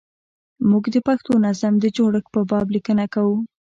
موږ د پښتو نظم د جوړښت په باب لیکنه کوو.